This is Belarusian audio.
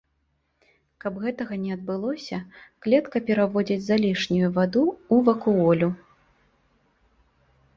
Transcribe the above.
Каб гэтага не адбылося, клетка пераводзіць залішнюю ваду ў вакуолю.